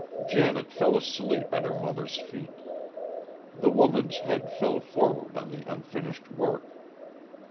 Janet fell asleep at her mother's feet. The woman's head fell forward on the unfinished work.